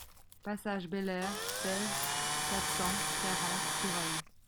Passage Bel Air, seize, quatre cent quarante Sireuil